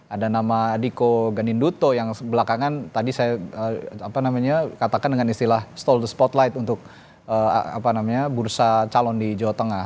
ada nama diko ganinduto yang belakangan tadi saya katakan dengan istilah stall the spotlight untuk bursa calon di jawa tengah